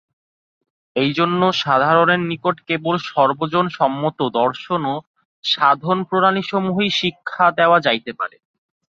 এইজন্য সাধারণের নিকট কেবল সর্বজনসম্মত দর্শন ও সাধনপ্রণালীসমূহই শিক্ষা দেওয়া যাইতে পারে।